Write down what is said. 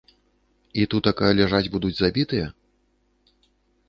І тутака ляжаць будуць забітыя?